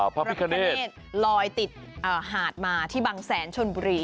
พระพิคเนธลอยติดหาดมาที่บางแสนชนบุรี